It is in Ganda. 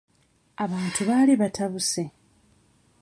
Abantu baali batabuse.